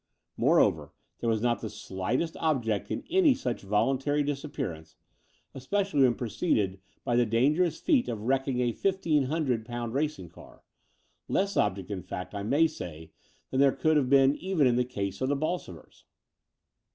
Moreover, there was not the slightest object in any such voltmtary disappearance, especially when The Brighton Road 37 preceded by the dangerous feat of wrecking a fifteen hundred pound racing car — ^less object in fact, I may say, than there could have been even in the case of the Bolsovers.